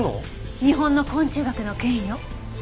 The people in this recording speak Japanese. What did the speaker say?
日本の昆虫学の権威よ。